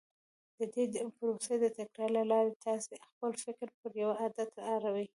د دې پروسې د تکرار له لارې تاسې خپل فکر پر يوه عادت اړوئ.